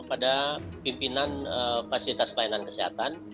pada pimpinan fasilitas pelayanan kesehatan